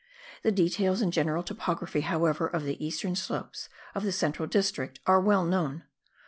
The details and general topography, however, of the eastern slopes of the central district are well known.